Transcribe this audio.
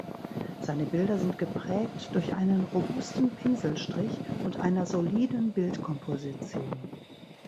Seine Bilder sind geprägt durch einen robusten Pinselstrich und einer soliden Bildkomposition.